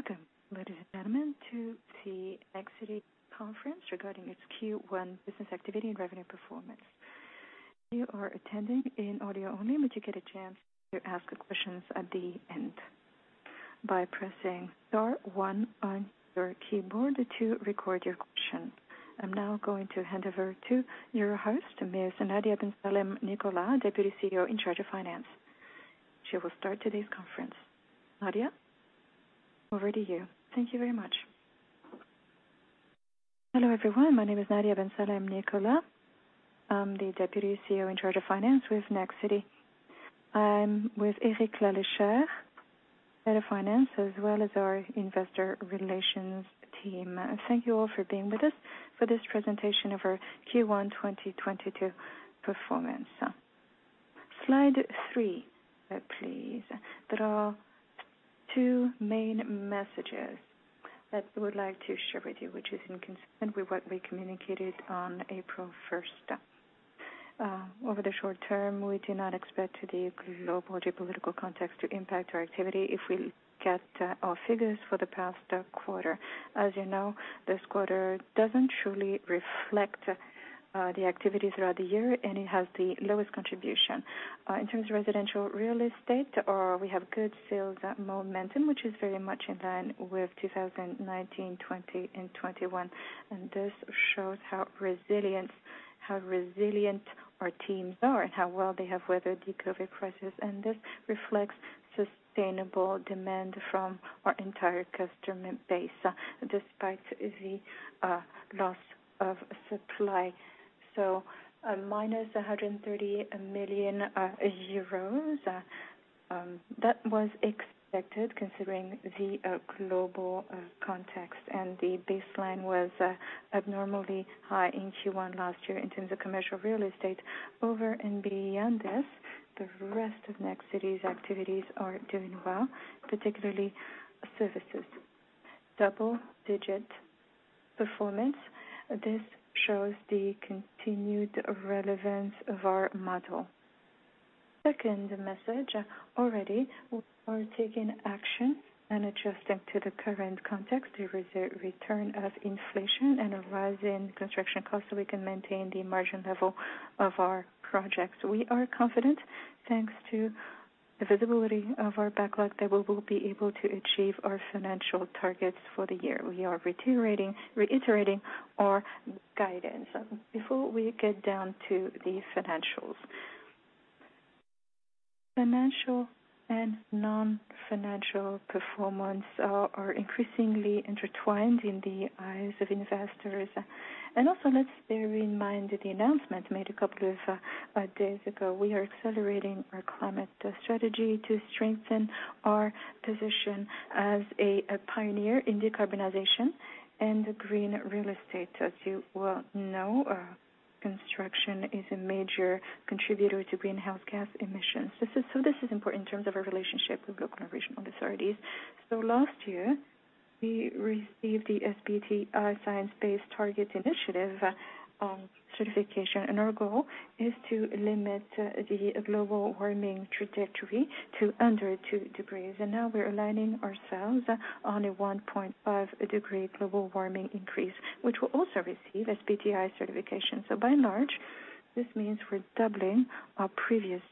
Welcome, ladies and gentlemen, to the Nexity conference regarding its Q1 business activity and revenue performance. You are attending in audio only, but you get a chance to ask questions at the end by pressing star one on your keyboard to record your question. I'm now going to hand over to your host, Ms. Nadia Bensalem-Nicolas, Deputy CEO in charge of Finance. She will start today's conference. Nadia, over to you. Thank you very much. Hello, everyone. My name is Nadia Bensalem-Nicolas. I'm the Deputy CEO in charge of Finance with Nexity. I'm with Eric Lalecher, Head of Finance, as well as our investor relations team. Thank you all for being with us for this presentation of our Q1 2022 performance. Slide three, please. There are two main messages that we would like to share with you, which is inconsistent with what we communicated on April 1. Over the short-term, we do not expect the global geopolitical context to impact our activity if we get our figures for the past quarter. As you know, this quarter doesn't truly reflect the activity throughout the year, and it has the lowest contribution. In terms of residential real estate, we have good sales momentum, which is very much in line with 2019, 2020 and 2021. This shows how resilient our teams are and how well they have weathered the COVID crisis. This reflects sustainable demand from our entire customer base despite the loss of supply, minus EUR 130 million, that was expected considering the global context and the baseline was abnormally high in Q1 last year in terms of commercial real estate. Over and beyond this, the rest of Nexity's activities are doing well, particularly services. Double-digit performance. This shows the continued relevance of our model. Second message, alredy we are taking action and adjusting to the current context, the return of inflation and a rise in construction costs so we can maintain the margin level of our projects. We are confident, thanks to the visibility of our backlog, that we will be able to achieve our financial targets for the year. We are reiterating our guidance. Before we get down to the financials. Financial and non-financial performance are increasingly intertwined in the eyes of investors. Also let's bear in mind the announcement made a couple of days ago. We are accelerating our climate strategy to strengthen our position as a pioneer in decarbonization and green real estate. As you well know, construction is a major contributor to greenhouse gas emissions. This is important in terms of our relationship with local and regional authorities. Last year we received the SBTi, Science-Based Targets initiative, certification, and our goal is to limit the global warming trajectory to under two degrees. Now we're aligning ourselves on a 1.5-degree global warming increase, which will also receive SBTi certification. By and large, this means we're doubling our previous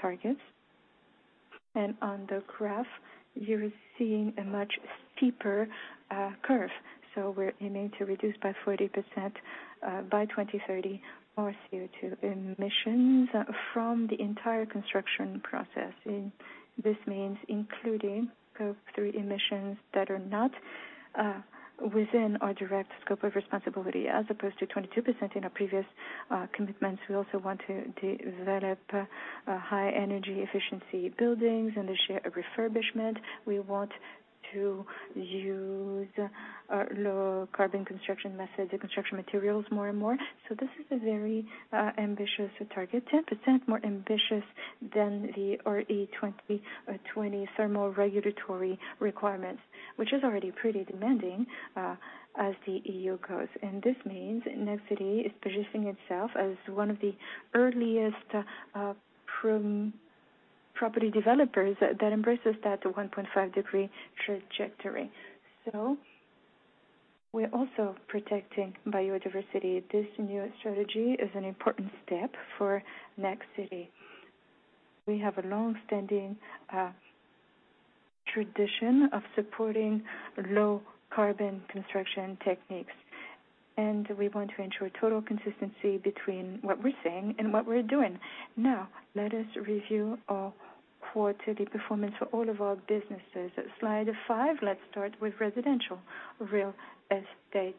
targets. On the graph you're seeing a much steeper curve. We're aiming to reduce by 40% by 2030 our CO2 emissions from the entire construction process. This means including Scope 3 emissions that are not within our direct scope of responsibility as opposed to 22% in our previous commitments. We also want to develop high energy efficiency buildings and ensure a refurbishment. We want to use low carbon construction methods and construction materials more and more. This is a very ambitious target, 10% more ambitious than the RE2020 thermal regulatory requirements, which is already pretty demanding as the EU goes. This means Nexity is positioning itself as one of the earliest property developers that embraces that 1.5-degree trajectory. We're also protecting biodiversity. This new strategy is an important step for Nexity. We have a long-standing tradition of supporting low carbon construction techniques, and we want to ensure total consistency between what we're saying and what we're doing. Now, let us review our quarterly performance for all of our businesses. Slide five. Let's start with residential real estate.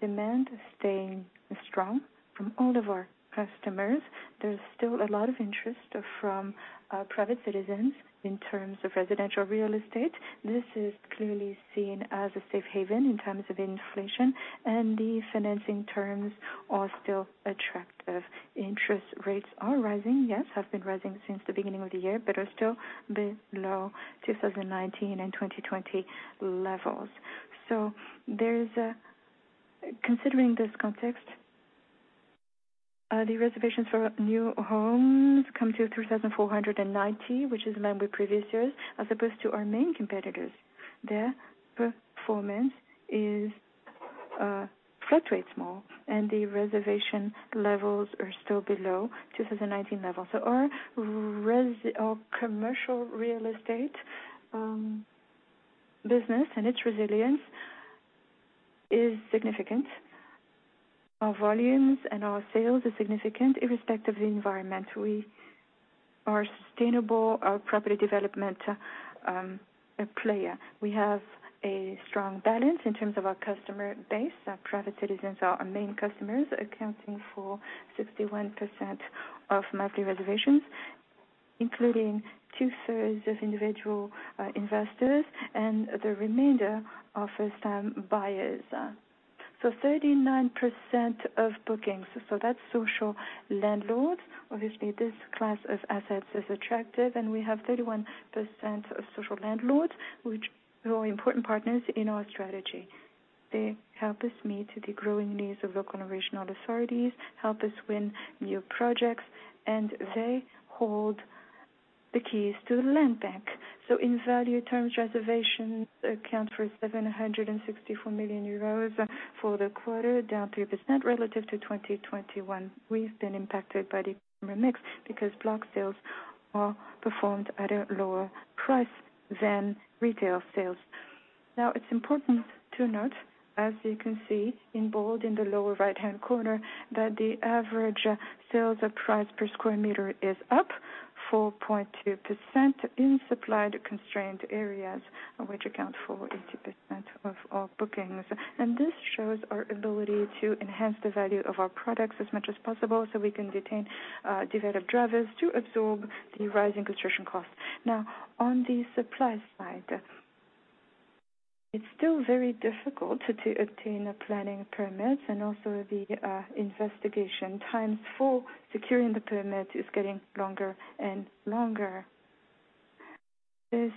Demand staying strong from all of our customers. There's still a lot of interest from private citizens in terms of residential real estate. This is clearly seen as a safe haven in times of inflation, and the financing terms are still attractive. Interest rates are rising, yes, have been rising since the beginning of the year, but are still below 2019 and 2020 levels. There is, considering this context, the reservations for new homes come to 3,490, which is in line with previous years, as opposed to our main competitors. Their performance is fluctuates more, and the reservation levels are still below 2019 levels. Our commercial real estate business and its resilience is significant. Our volumes and our sales are significant irrespective of the environment. We are a sustainable property development player. We have a strong balance in terms of our customer base. Our private citizens are our main customers, accounting for 61% of monthly reservations, including two-thirds of individual investors and the remainder are first-time buyers. Thirty-nine percent of bookings, that's social landlords. Obviously, this class of assets is attractive, and we have 31% of social landlords, which are important partners in our strategy. They help us meet the growing needs of local and regional authorities, help us win new projects, and they hold the keys to the land bank. In value terms, reservations account for 764 million euros for the quarter, down 3% relative to 2021. We've been impacted by the mix because block sales are performed at a lower price than retail sales. Now, it's important to note, as you can see in bold in the lower right-hand corner, that the average sales price per square meter is up 4.2% in supply constrained areas, which account for 80% of our bookings. This shows our ability to enhance the value of our products as much as possible, so we can retain developed drivers to absorb the rising construction costs. Now, on the supply side, it's still very difficult to obtain planning permits and also the investigation times for securing the permit is getting longer and longer. This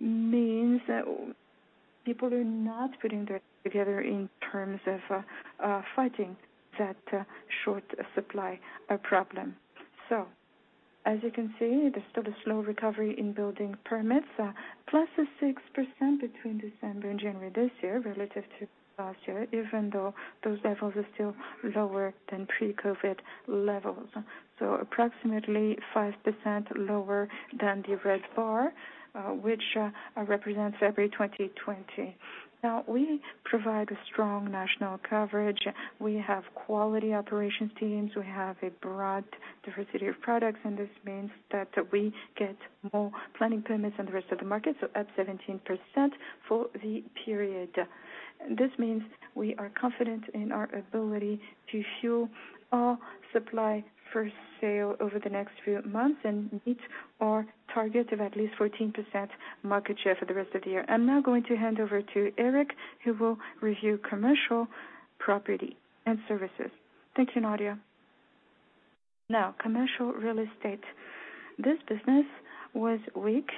means that people are not putting their heads together in terms of fighting that short supply problem. As you can see, there's still a slow recovery in building permits, a +6% between December and January this year relative to last year, even though those levels are still lower than pre-COVID levels. Approximately 5% lower than the red bar, which represents February 2020. Now, we provide a strong national coverage. We have quality operations teams. We have a broad diversity of products, and this means that we get more planning permits than the rest of the market, so up 17% for the period. This means we are confident in our ability to fuel our supply for sale over the next few months and meet our target of at least 14% market share for the rest of the year. I'm now going to hand over to Eric, who will review commercial property and services. Thank you, Nadia. Now, commercial real estate. This business was weak,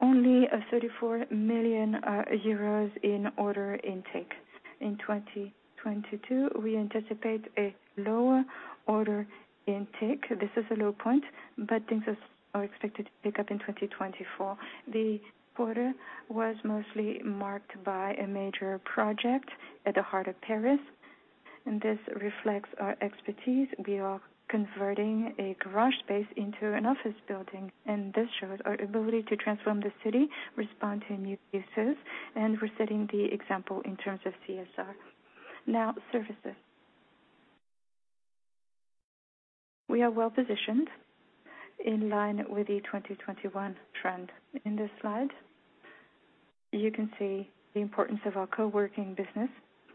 only 34 million euros in order intake. In 2022, we anticipate a lower order intake. This is a low point, but things are expected to pick up in 2024. The quarter was mostly marked by a major project at the heart of Paris, and this reflects our expertise. We are converting a garage space into an office building, and this shows our ability to transform the city, respond to new uses, and we're setting the example in terms of CSR. Now, services. We are well-positioned in line with the 2021 trend. In this slide, you can see the importance of our co-working business,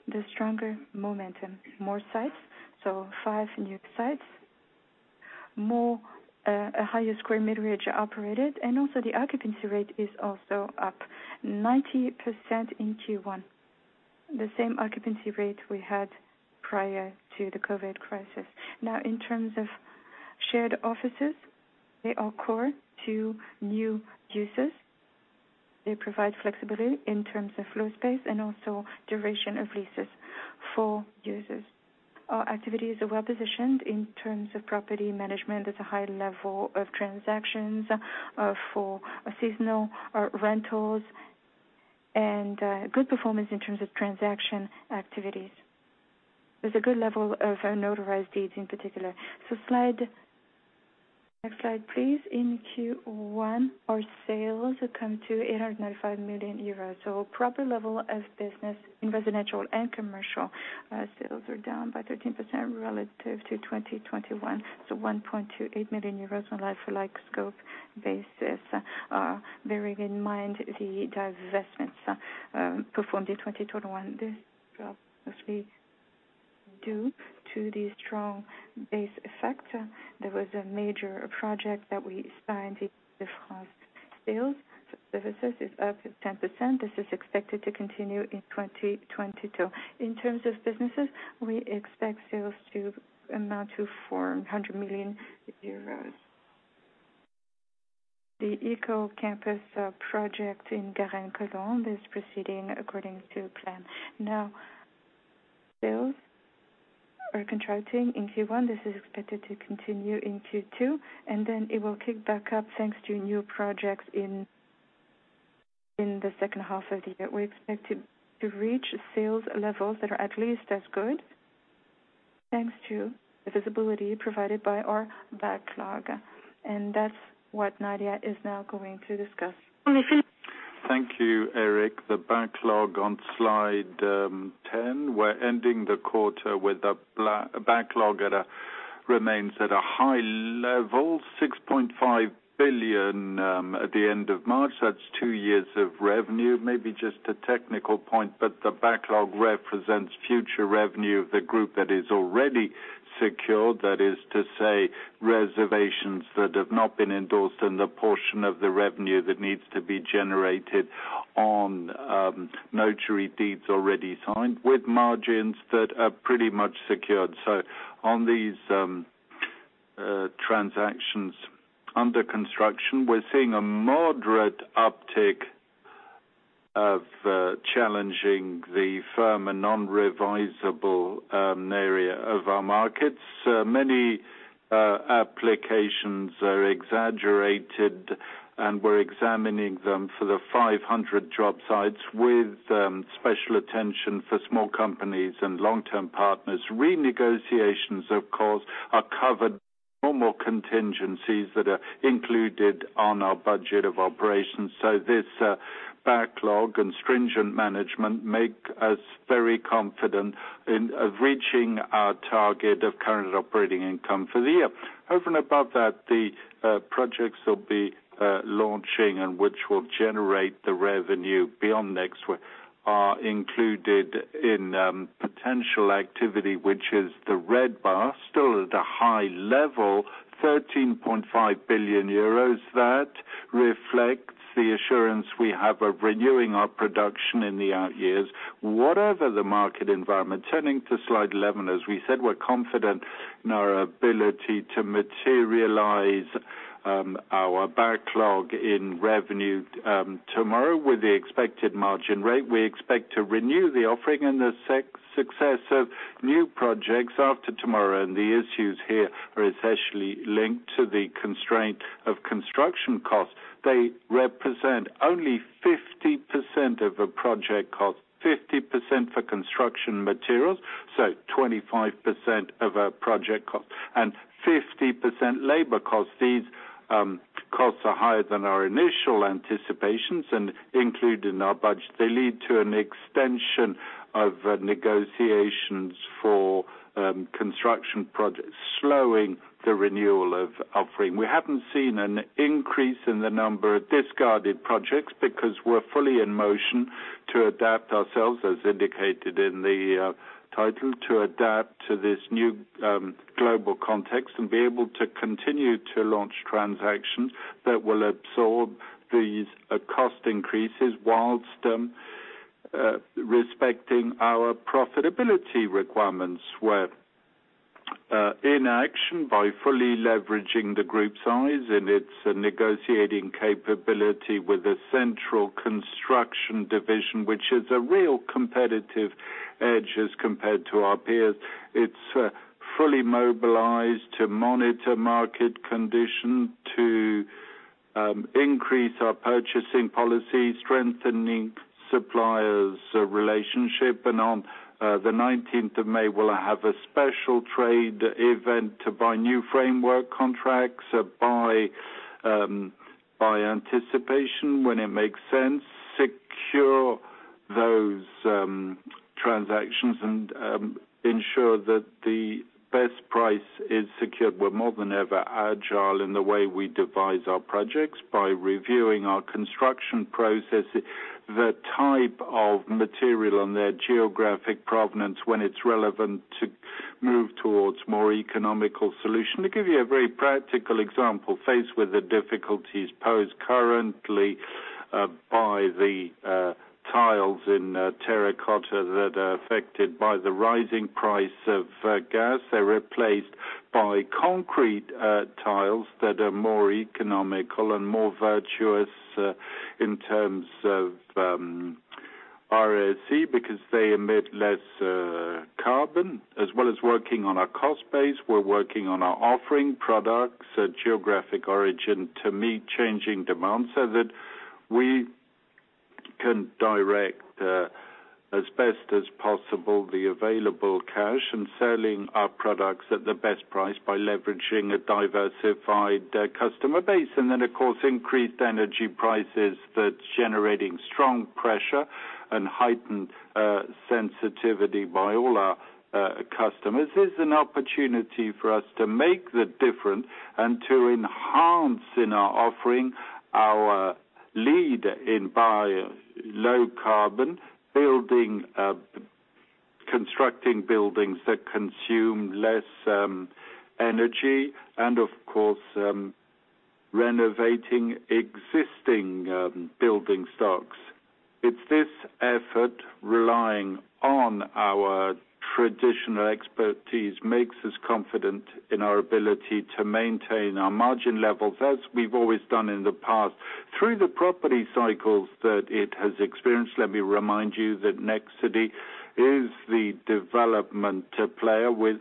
the stronger momentum, more sites, so five new sites, more, a higher square meterage operated, and also the occupancy rate is also up 90% in Q1, the same occupancy rate we had prior to the COVID crisis. Now, in terms of shared offices, they are core to new uses. They provide flexibility in terms of floor space and also duration of leases for users. Our activities are well positioned in terms of property management. There's a high level of transactions for seasonal rentals and good performance in terms of transaction activities. There's a good level of notarized deeds in particular. Next slide, please. In Q1, our sales come to 895 million euros. Proper level of business in residential and commercial sales are down by 13% relative to 2021. 1.28 million euros on like-for-like scope basis. Bearing in mind the divestments performed in 2021, this drop must be due to the strong base effect. There was a major project that we signed. France sales services is up 10%. This is expected to continue in 2022. In terms of businesses, we expect sales to amount to 400 million euros. The éco-campus project in La Garenne-Colombes is proceeding according to plan. Sales are contracting in Q1. This is expected to continue in Q2, and then it will kick back up thanks to new projects in the second half of the year. We expect to reach sales levels that are at least as good thanks to the visibility provided by our backlog. That's what Nadia is now going to discuss. Thank you, Eric. The backlog on slide 10, we're ending the quarter with the backlog remains at a high level, 6.5 billion at the end of March. That's two years of revenue. Maybe just a technical point, but the backlog represents future revenue of the group that is already secured. That is to say, reservations that have not been endorsed, and the portion of the revenue that needs to be generated on notary deeds already signed with margins that are pretty much secured. On these transactions under construction, we're seeing a moderate uptick of challenging the firm, an irreversible area of our markets. Many applications are accelerating, and we're examining them for the 500 job sites with special attention for small companies and long-term partners. Renegotiations, of course, are covered as normal contingencies that are included in our budget of operations. This backlog and stringent management make us very confident in reaching our target of current operating profit for the year. Over and above that, the projects will be launching and which will generate the revenue beyond next week are included in potential activity, which is the red bar, still at a high level, 13.5 billion euros. That reflects the assurance we have of renewing our production in the out years, whatever the market environment. Turning to slide 11, as we said, we're confident in our ability to materialize our backlog in revenue tomorrow with the expected margin rate. We expect to renew the offering and the success of new projects after tomorrow. The issues here are essentially linked to the constraint of construction costs. They represent only 50% of a project cost, 50% for construction materials, so 25% of our project cost and 50% labor cost. These costs are higher than our initial anticipations and included in our budget. They lead to an extension of negotiations for construction projects, slowing the renewal of offering. We haven't seen an increase in the number of discarded projects because we're fully in motion to adapt ourselves, as indicated in the title, to adapt to this new global context and be able to continue to launch transactions that will absorb these cost increases while respecting our profitability requirements. We're in action by fully leveraging the group's size and its negotiating capability with the central construction division, which is a real competitive edge as compared to our peers. It's fully mobilized to monitor market condition, to increase our purchasing policy, strengthening suppliers' relationship. On the nineteenth of May, we'll have a special trade event to buy new framework contracts by anticipation when it makes sense, secure those transactions, and ensure that the best price is secured. We're more than ever agile in the way we devise our projects by reviewing our construction processes, the type of material and their geographic provenance when it's relevant to move towards more economical solution. To give you a very practical example, faced with the difficulties posed currently by the tiles in terracotta that are affected by the rising price of gas, they're replaced by concrete tiles that are more economical and more virtuous in terms of RE2020 because they emit less carbon. As well as working on our cost base, we're working on our offering products, geographic offering to meet changing demands so that we can direct, as best as possible the available cash and selling our products at the best price by leveraging a diversified, customer base. Of course, increased energy prices that's generating strong pressure and heightened, sensitivity by all our, customers is an opportunity for us to make the difference and to enhance in our offering our leadership in low carbon building, constructing buildings that consume less, energy and of course, renovating existing, building stocks. It's this effort relying on our traditional expertise makes us confident in our ability to maintain our margin levels, as we've always done in the past through the property cycles that it has experienced. Let me remind you that Nexity is the development player with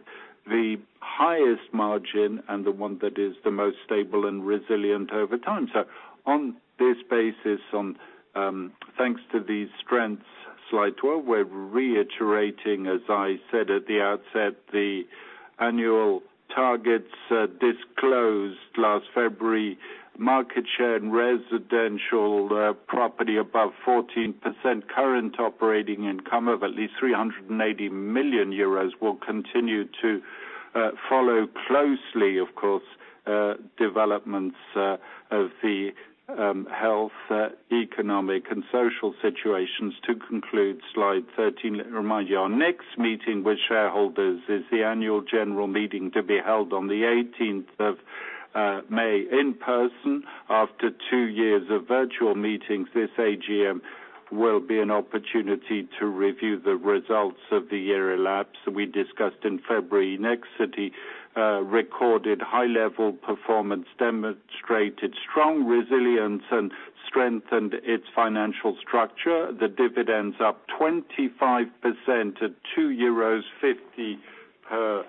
the highest margin and the one that is the most stable and resilient over time. On this basis, thanks to these strengths, slide twelve, we're reiterating, as I said at the outset, the annual targets disclosed last February. Market share in residential property above 14%. Current operating profit of at least 380 million euros will continue to follow closely, of course, developments of the health, economic and social situations. To conclude, slide thirteen. Let me remind you, our next meeting with shareholders is the annual general meeting to be held on the eighteenth of May in person. After two years of virtual meetings, this AGM will be an opportunity to review the results of the year elapsed. We discussed in February, Nexity recorded high level performance, demonstrated strong resilience and strengthened its financial structure. The dividend's up 25% to 2.50 euros per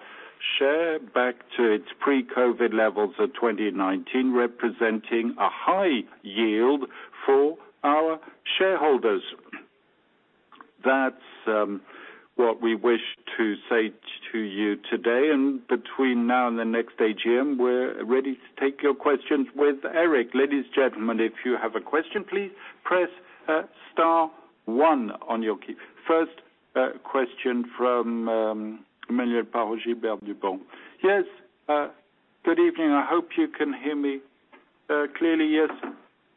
share, back to its pre-COVID levels of 2019, representing a high yield for our shareholders. That's what we wish to say to you today. Between now and the next AGM, we're ready to take your questions with Eric. Ladies, gentlemen, if you have a question, please press star one on your key. First question from Emmanuel Parot, Gilbert Dupont. Yes. Good evening. I hope you can hear me clearly. Yes.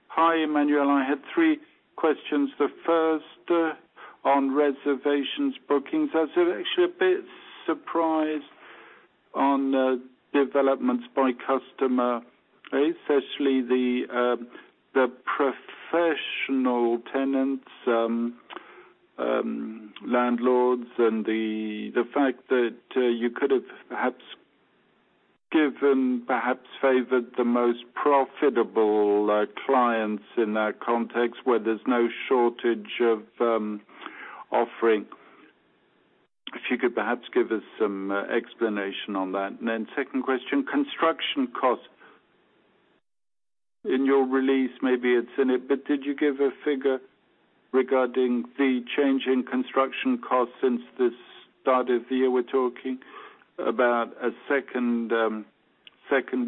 Hi, Emmanuel. I had three questions. The first on reservations, bookings. I was actually a bit surprised on developments by customer, especially the professional tenants, landlords, and the fact that you could have perhaps given, perhaps favored the most profitable clients in that context where there's no shortage of offering. If you could perhaps give us some explanation on that. Then second question, construction costs. In your release, maybe it's in it, but did you give a figure regarding the change in construction costs since the start of the year? We're talking about a second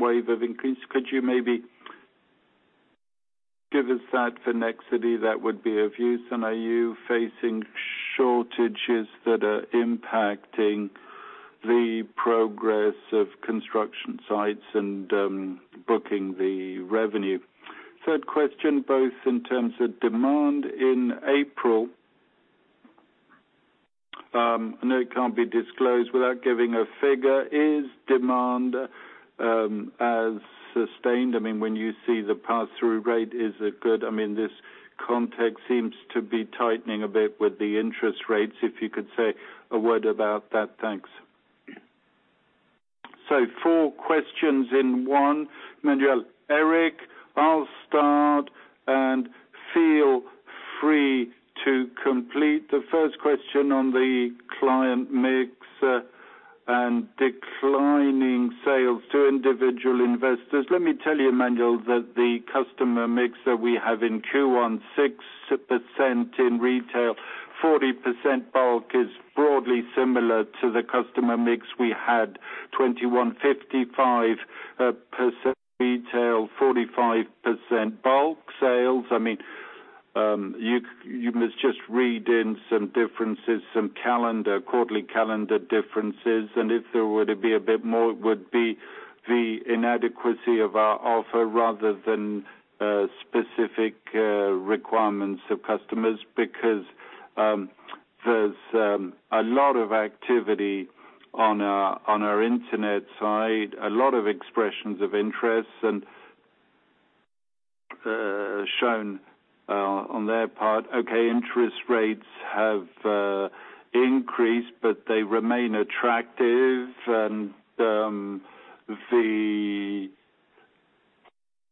wave of increase. Could you maybe give us that for Nexity? That would be of use. Are you facing shortages that are impacting the progress of construction sites and booking the revenue? Third question, both in terms of demand in April, I know it can't be disclosed without giving a figure. Is demand as sustained? I mean, when you see the pass-through rate, is it good? I mean, this context seems to be tightening a bit with the interest rates. If you could say a word about that. Thanks. Four questions in one, Emmanuel. Eric, I'll start and feel free to complete. The first question on the client mix and declining sales to individual investors. Let me tell you, Emmanuel, that the customer mix that we have in Q1, 6% in retail, 40% bulk, is broadly similar to the customer mix we had in 2021, 55% retail, 45% bulk sales. I mean, you must just read into some differences, some calendar, quarterly calendar differences. If there were to be a bit more, it would be the inadequacy of our offer rather than specific requirements of customers, because there's a lot of activity on our internet side, a lot of expressions of interest shown on their part. Okay, interest rates have increased, but they remain attractive. The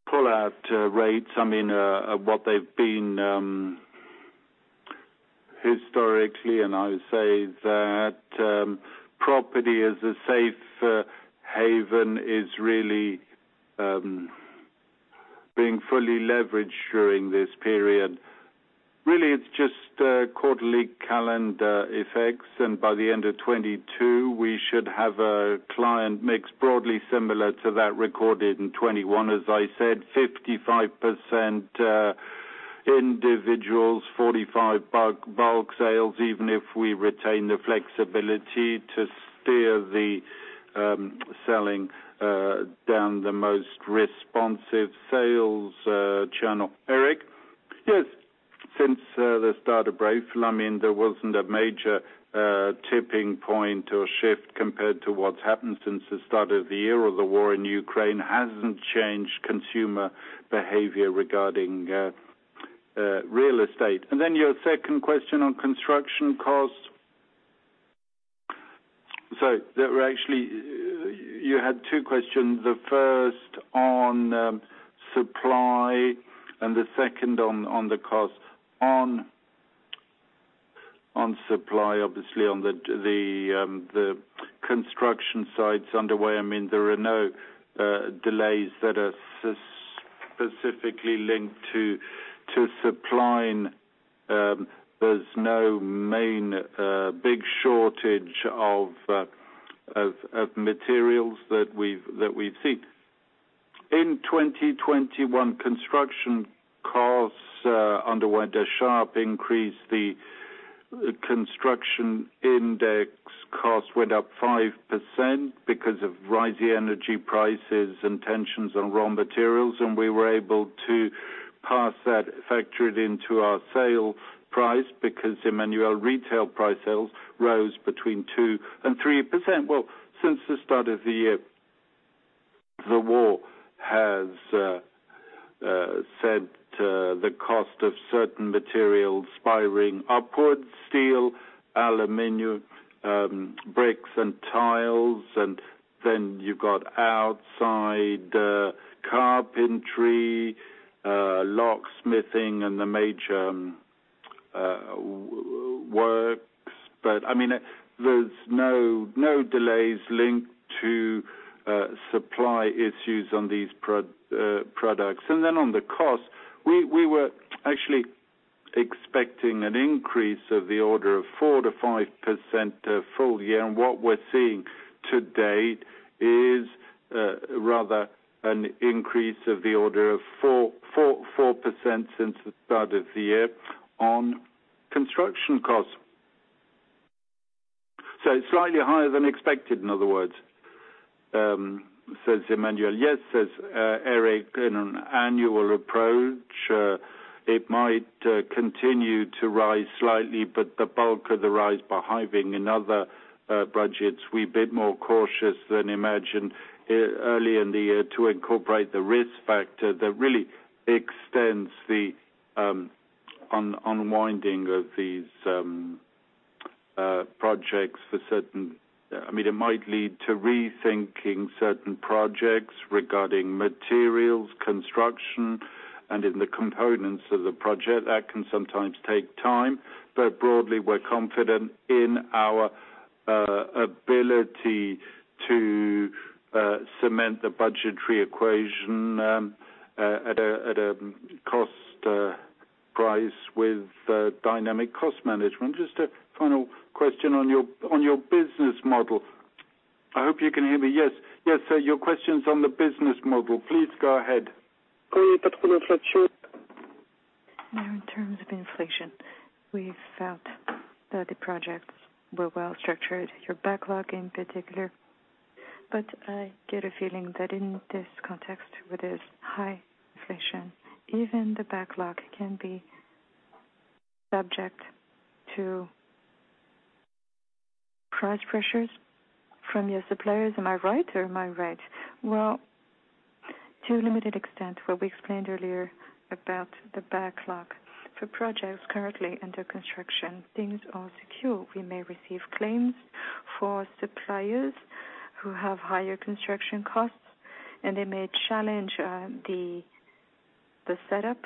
pull-out rates, I mean what they've been historically, and I would say that property as a safe haven is really being fully leveraged during this period. Really, it's just quarterly calendar effects. By the end of 2022, we should have a client mix broadly similar to that recorded in 2021. As I said, 55% individuals, 45% bulk sales, even if we retain the flexibility to steer the selling down the most responsive sales channel. Eric? Yes. Since the start of Russia, I mean, there wasn't a major tipping point or shift compared to what's happened since the start of the year, or the war in Ukraine hasn't changed consumer behavior regarding real estate. Your second question on construction costs. There were actually, you had two questions, the first on supply and the second on the cost. On supply, obviously on the construction sites underway, I mean, there are no delays that are specifically linked to supplying. There's no major big shortage of materials that we've seen. In 2021, construction costs underwent a sharp increase. The construction index costs went up 5% because of rising energy prices and tensions on raw materials, and we were able to pass that factor into our sale price because average retail prices rose 2%-3%. Well, since the start of the year, the war has sent the cost of certain materials spiraling upwards, steel, aluminum, bricks and tiles. Then you've got outside carpentry, locksmithing and the major works. But I mean, there's no delays linked to supply issues on these products. Then on the cost, we were actually expecting an increase of the order of 4%-5%, full-year. What we're seeing to date is rather an increase of the order of 4% since the start of the year on construction costs. Slightly higher than expected in other words, says Emmanuel Parot. Yes, says Eric Lalecher. In an annual approach, it might continue to rise slightly, but the bulk of the rise is baked in our budgets. We're a bit more cautious than imagined early in the year to incorporate the risk factor that really extends the unwinding of these projects for certain. I mean, it might lead to rethinking certain projects regarding materials, construction and in the components of the project. That can sometimes take time, but broadly we're confident in our ability to cement the budgetary equation at a cost price with dynamic cost management. Just a final question on your business model. I hope you can hear me. Yes. Yes, sir, your question's on the business model. Please go ahead. Now, in terms of inflation, we felt that the projects were well structured, your backlog in particular. I get a feeling that in this context with this high inflation, even the backlog can be subject to price pressures from your suppliers. Am I right or am I right? Well, to a limited extent, what we explained earlier about the backlog. For projects currently under construction, things are secure. We may receive claims for suppliers who have higher construction costs and they may challenge the setup.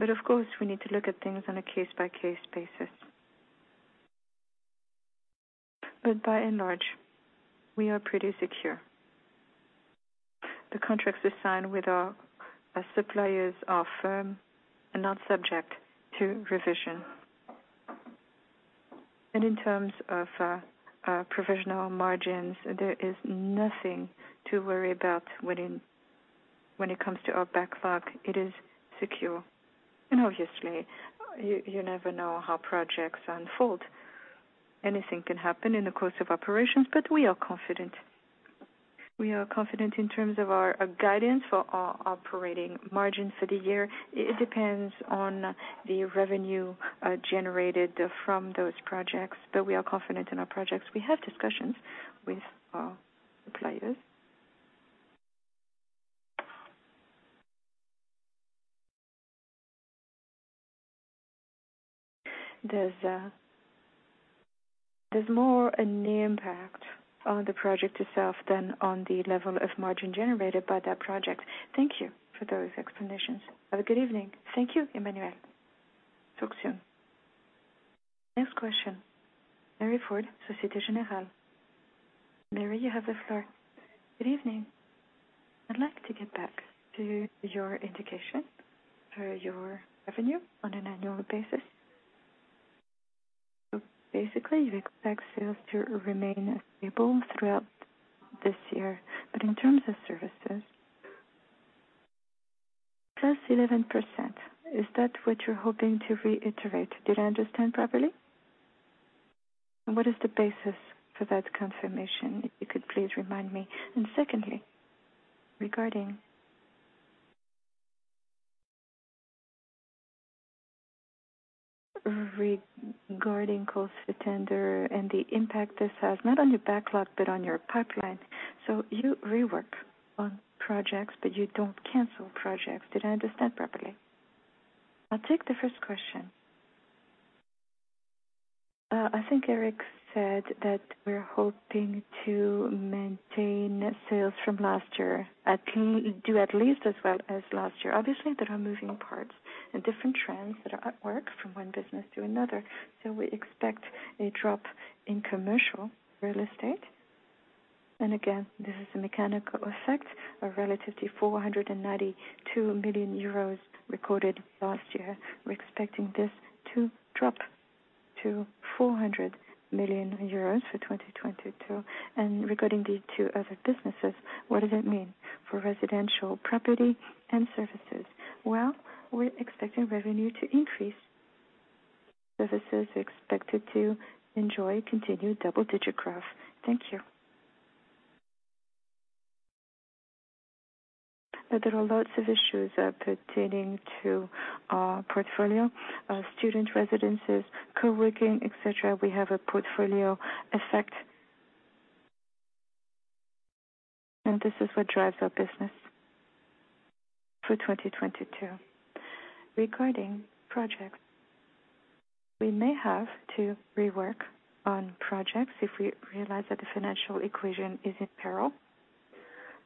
Of course we need to look at things on a case by case basis. By and large we are pretty secure. The contracts we sign with our suppliers are firm and not subject to revision. In terms of provisional margins, there is nothing to worry about when it comes to our backlog. It is secure. Obviously you never know how projects unfold. Anything can happen in the course of operations, but we are confident. We are confident in terms of our guidance for our operating margins for the year. It depends on the revenue generated from those projects, but we are confident in our projects. We have discussions with our suppliers. There's more an impact on the project itself than on the level of margin generated by that project. Thank you for those explanations. Have a good evening. Thank you, Emmanuel. Talk soon. Next question. Marie-Line Fort, Société Générale. Marie-Line, you have the floor. Good evening. I'd like to get back to your indication for your revenue on an annual basis. Basically you expect sales to remain stable throughout this year. In terms of services, plus 11%, is that what you're hoping to reiterate? Did I understand properly? What is the basis for that confirmation, if you could please remind me. Secondly, regarding cost inflation and the impact this has not on your backlog but on your pipeline. You rework on projects but you don't cancel projects. Did I understand properly? I take the first question. I think Eric said that we're hoping to maintain sales from last year, do at least as well as last year. Obviously, there are moving parts and different trends that are at work from one business to another. We expect a drop in commercial real estate. This is a mechanical effect, a relatively 492 million euros recorded last year. We're expecting this to drop to 400 million euros for 2022. Regarding the two other businesses, what does that mean for residential, property, and services? Well, we're expecting revenue to increase. Services are expected to enjoy continued double-digit growth. Thank you. There are lots of issues pertaining to our portfolio. Student residences, co-working, et cetera, we have a portfolio effect. This is what drives our business for 2022. Regarding projects, we may have to rework on projects if we realize that the financial equation is in peril,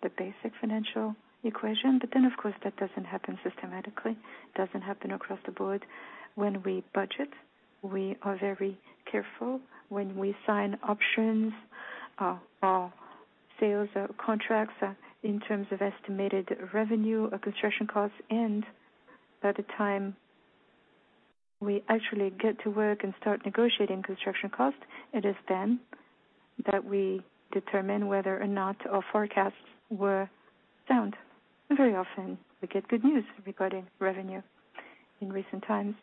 the basic financial equation. Of course, that doesn't happen systematically, doesn't happen across the board. When we budget, we are very careful when we sign options, or sales, contracts, in terms of estimated revenue or construction costs. By the time we actually get to work and start negotiating construction costs, it is then that we determine whether or not our forecasts were sound. Very often, we get good news regarding revenue. In recent times,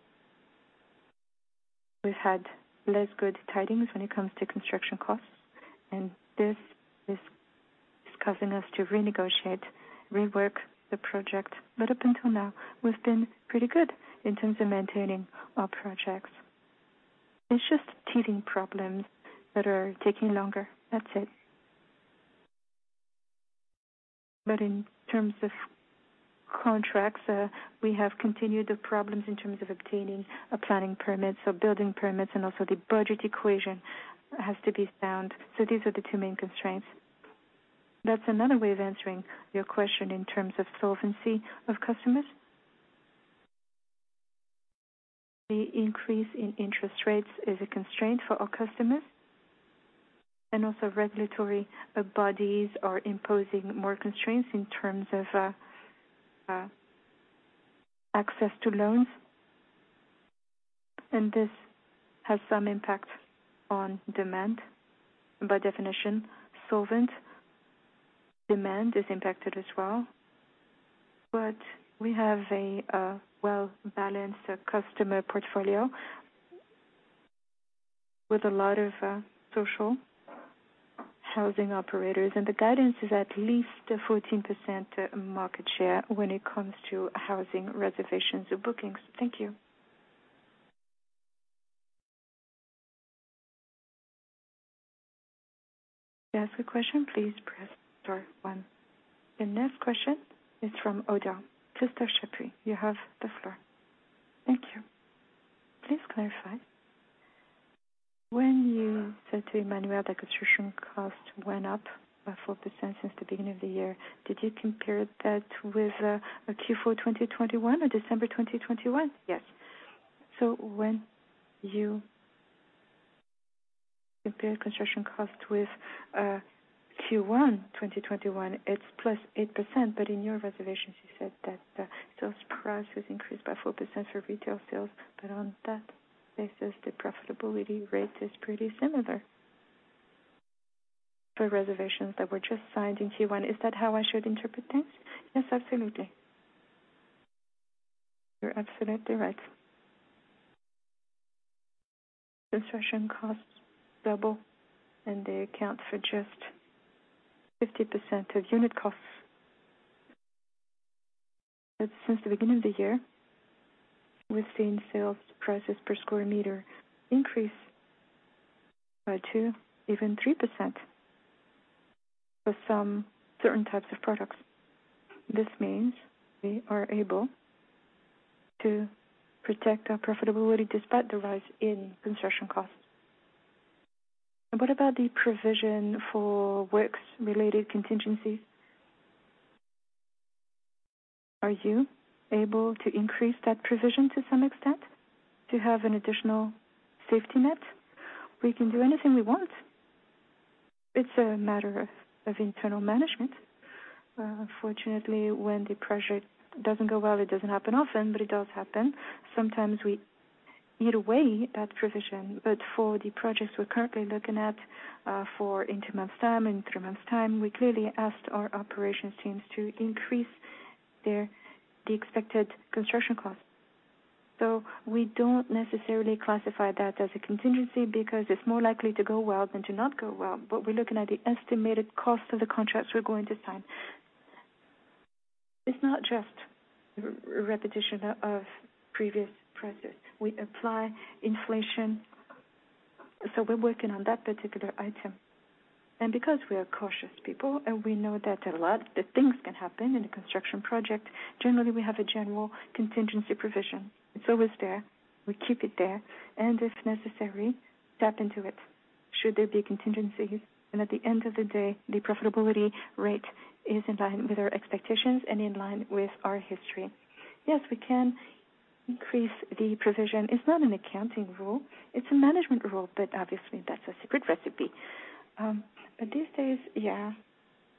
we've had less good tidings when it comes to construction costs, and this is causing us to renegotiate, rework the project. Up until now, we've been pretty good in terms of maintaining our projects. It's just teething problems that are taking longer. That's it. In terms of contracts, we have continued the problems in terms of obtaining, planning permits or building permits, and also the budget equation has to be sound. These are the two main constraints. That's another way of answering your question in terms of solvency of customers. The increase in interest rates is a constraint for our customers. Regulatory bodies are imposing more constraints in terms of access to loans. This has some impact on demand. By definition, solvent demand is impacted as well. We have a well-balanced customer portfolio with a lot of social housing operators, and the guidance is at least a 14% market share when it comes to housing reservations or bookings. Thank you. To ask a question, please press star one. The next question is from Oddo. Christopher Cappie, you have the floor. Thank you. Please clarify. When you said to Emmanuel that construction cost went up by 4% since the beginning of the year, did you compare that with Q4 2021 or December 2021? Yes. When you compare construction cost with Q1 2021, it's +8%. In your reservations, you said that sales price was increased by 4% for retail sales. On that basis, the profitability rate is pretty similar for reservations that were just signed in Q1. Is that how I should interpret things? Yes, absolutely. You're absolutely right. Construction costs double, and they account for just 50% of unit costs. Since the beginning of the year, we've seen sales prices per square meter increase by 2%, even 3% for some certain types of products. This means we are able to protect our profitability despite the rise in construction costs. What about the provision for works-related contingencies? Are you able to increase that provision to some extent to have an additional safety net? We can do anything we want. It's a matter of internal management. Fortunately, when the project doesn't go well, it doesn't happen often, but it does happen. Sometimes we eat away at provision. For the projects we're currently looking at, in two months' time, in three months' time, we clearly asked our operations teams to increase the expected construction costs. We don't necessarily classify that as a contingency because it's more likely to go well than to not go well. We're looking at the estimated cost of the contracts we're going to sign. It's not just a repetition of previous prices. We apply inflation. So we're working on that particular item. Because we are cautious people and we know that a lot of things can happen in a construction project, generally we have a general contingency provision. It's always there, we keep it there and if necessary, tap into it should there be contingencies. At the end of the day, the profitability rate is in line with our expectations and in line with our history. Yes, we can increase the provision. It's not an accounting rule, it's a management rule, but obviously that's a secret recipe. But these days, yeah,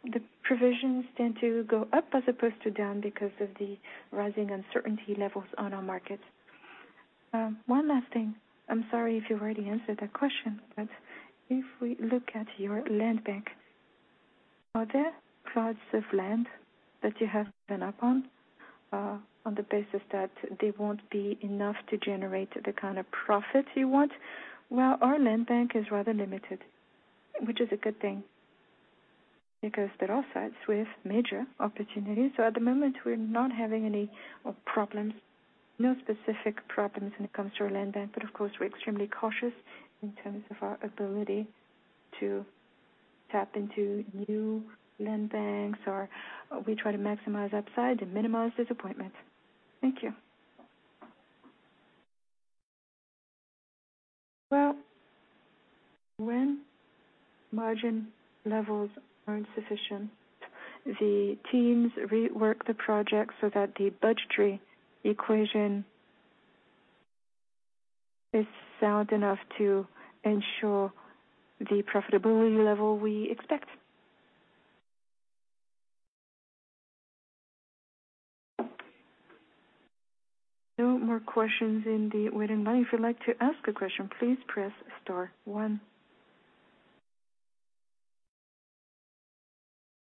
the provisions tend to go up as opposed to down because of the rising uncertainty levels on our market. One last thing. I'm sorry if you already answered that question, but if we look at your land bank, are there plots of land that you have given up on the basis that they won't be enough to generate the kind of profit you want? Well, our land bank is rather limited, which is a good thing because they offer major opportunities. At the moment, we're not having any problems, no specific problems when it comes to our land bank. Of course, we're extremely cautious in terms of our ability to tap into new land banks, or we try to maximize upside and minimize disappointment. Thank you. Well, when margin levels aren't sufficient, the teams rework the project so that the budgetary equation is sound enough to ensure the profitability level we expect. No more questions in the waiting line. If you'd like to ask a question, please press star one.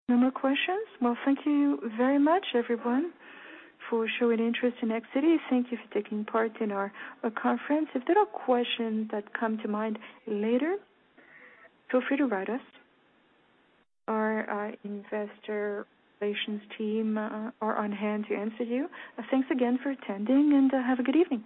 No more questions. Well, thank you very much, everyone, for showing interest in Nexity. Thank you for taking part in our conference. If there are questions that come to mind later, feel free to write us. Our investor relations team are on hand to answer you. Thanks again for attending and, have a good evening.